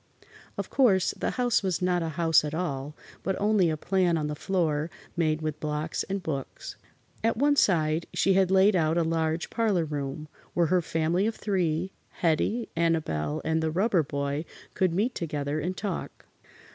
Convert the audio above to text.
Of course, the house was not a house at all, but only a plan on the floor made with blocks and books. At one side she had laid out a large parlor room, where her family of three Hettie, Annabelle and the Rubber Boy could meet together and talk.